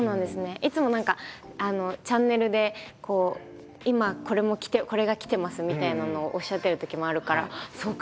いつも何かチャンネルで「今これがきてます」みたいなのをおっしゃってるときもあるからそうか